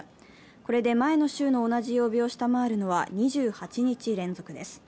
これで前の週の同じ曜日を下回るのは２８日連続です。